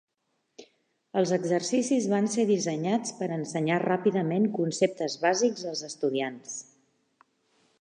Els exercicis van ser dissenyats per ensenyar ràpidament conceptes bàsics als estudiants.